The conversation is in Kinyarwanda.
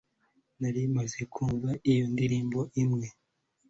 Nari maze kumva iyo ndirimbo rimwe